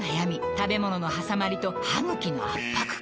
食べ物のはさまりと歯ぐきの圧迫感